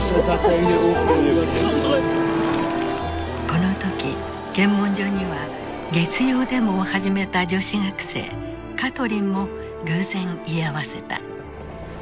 この時検問所には月曜デモを始めた女子学生カトリンも偶然居合わせた。